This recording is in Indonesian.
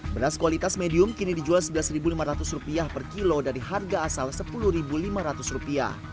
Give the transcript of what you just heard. beras kualitas medium kini dijual rp sebelas lima ratus per kilo dari harga asal rp sepuluh lima ratus